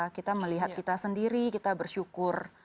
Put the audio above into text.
kita melihat kita sendiri kita bersyukur